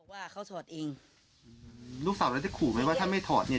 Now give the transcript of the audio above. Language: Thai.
ว่าเขาถอดเองลูกสาวแล้วจะขู่ไหมว่าถ้าไม่ถอดเนี่ย